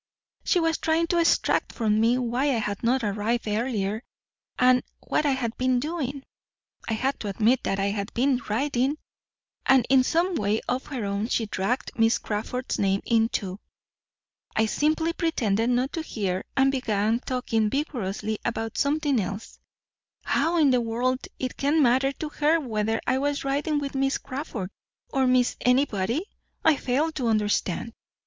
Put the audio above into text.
She was trying to extract from me why I had not arrived earlier and what I had been doing. I had to admit that I had been riding, and in some way of her own she dragged Miss Crawford's name in too. I simply pretended not to hear, and began talking vigorously about something else. How in the world it can matter to her whether I was riding with Miss Crawford, or Miss Anybody, I fail to understand."